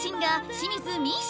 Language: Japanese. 清水美依紗